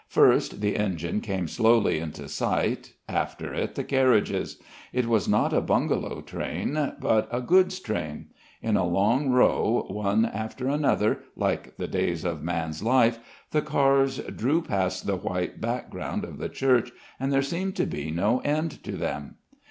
First the engine came slowly into sight, after it the carriages. It was not a bungalow train, but a goods train. In a long row, one after another like the days of man's life, the cars drew past the white background of the church, and there seemed to be no end to them.